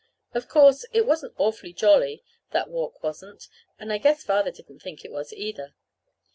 Of course, it wasn't awfully jolly that walk wasn't; and I guess Father didn't think it was either.